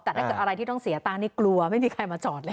แต่ถ้าเกิดอะไรที่ต้องเสียตังค์นี่กลัวไม่มีใครมาจอดเลย